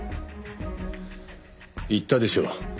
言ったでしょう。